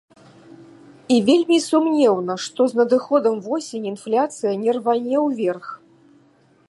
І вельмі сумнеўна, што з надыходам восені інфляцыя не рване ўверх.